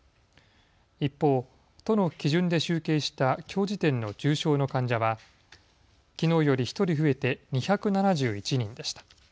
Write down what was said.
一方、都の基準で集計したきょう時点の重症の患者はきのうより１人増えて２７１人でした。